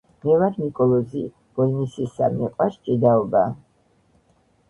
მე ვარ ნიკოლოზი ბოლნისისა მიყვარს ჭიდაობა